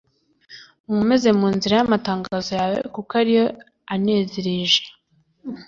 unkomeze mu nzira y'amatangazo yawe, kuko ari yo anezereje